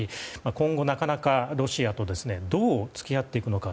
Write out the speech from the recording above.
今後、ロシアとどう付き合っていくのか。